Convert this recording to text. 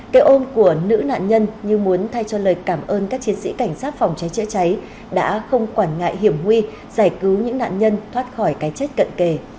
cái ôm của nữ nạn nhân như muốn thay cho lời cảm ơn các chiến sĩ cảnh sát phòng cháy chữa cháy đã không quản ngại hiểm nguy giải cứu những nạn nhân thoát khỏi cái chết cận kề